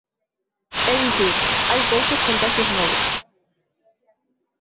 É dicir, hai poucos contaxios novos.